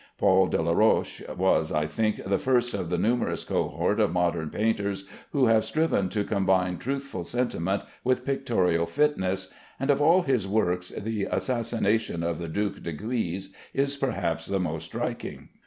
Paul Delaroche was, I think, the first of the numerous cohort of modern painters who have striven to combine truthful sentiment with pictorial fitness, and of all his works the "Assassination of the Duc de Guise" is perhaps the most striking.